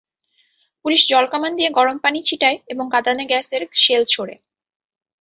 Police জলকামান দিয়ে গরম পানি ছিটায় এবং কাঁদানে গ্যাসের শেল ছোড়ে।